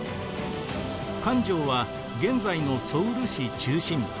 漢城は現在のソウル市中心部。